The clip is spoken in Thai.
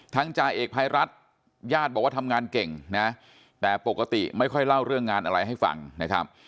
จ่าเอกภัยรัฐญาติบอกว่าทำงานเก่งนะแต่ปกติไม่ค่อยเล่าเรื่องงานอะไรให้ฟังนะครับ